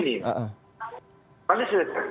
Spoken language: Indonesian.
pada silet krekan tadi